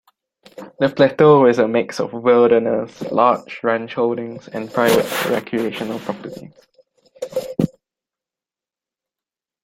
The plateau is a mix of wilderness, large ranch holdings, and private recreational properties.